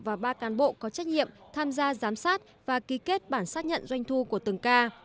và ba cán bộ có trách nhiệm tham gia giám sát và ký kết bản xác nhận doanh thu của từng ca